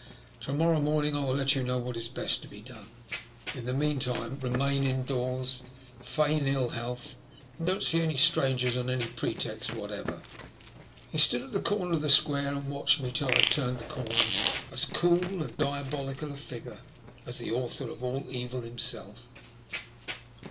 To morrow morning I will let you know what is best to be done. In the meantime, remain indoors, feign ill health, and don't see any strangers on any pretext whatever." He stood at the corner of the Square, and watched me till I had turned the corner, as cool and diabolical a figure as the Author of all Evil himself.